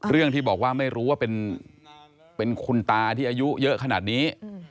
เรื่องที่บอกว่าไม่รู้ว่าเป็นคุณตาที่อายุเยอะขนาดนี้